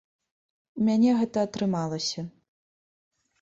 У мяне гэта атрымалася.